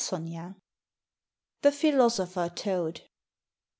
ANONYMOUS. THE PHILOSOPHER TOAD.